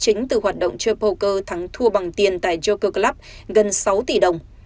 chính từ hoạt động chơi poker thắng thua bằng tiền tại jocker club gần sáu tỷ đồng